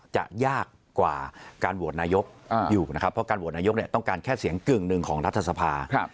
จะยากกว่าการโหวตนายกอยู่นะครับเพราะการโหวตนายกต้องการแค่เสียงกึ่งหนึ่งของรัฐสภา